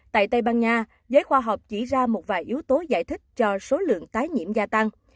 tại tây ban nha giới khoa học chỉ ra một vài yếu tố giải thích cho số lượng tái nhiễm gia tăng